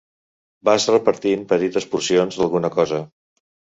Vas repartint petites porcions d'alguna cosa.